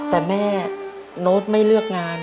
แต่แม่โน๊ตไม่เลือกงาน